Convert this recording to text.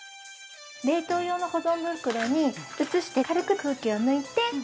冷凍用の保存袋に移して軽く空気を抜いて冷凍します。